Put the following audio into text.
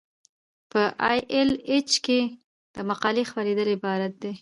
په ای ایل ایچ کې د مقالې خپریدل اعتبار دی.